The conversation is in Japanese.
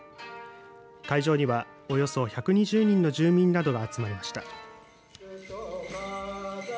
会場にはおよそ１２０人の住民などが集まりました。